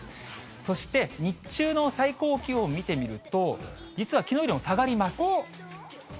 そして日中の最高気温を見てみると、実はきのうよりも下がります。